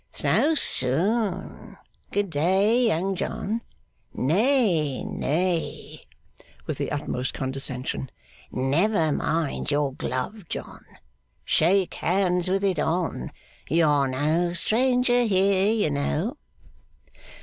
'So soon? Good day, Young John. Nay, nay,' with the utmost condescension, 'never mind your glove, John. Shake hands with it on. You are no stranger here, you know.